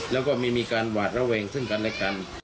แล้วก็ไม่มีการหวาดระแวงซึ่งกันในการ